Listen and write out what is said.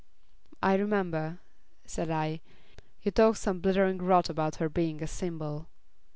"I remember," said I, "you talked some blithering rot about her being a symbol."